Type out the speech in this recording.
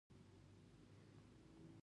ځان يې کوڼ کړ.